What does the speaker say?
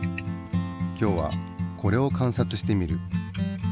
今日はこれを観察してみる。